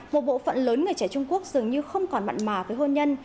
một bộ phận lớn người trẻ trung quốc dường như không còn mặn mà với hôn nhân